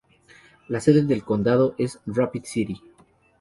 La sede del condado es Rapid City.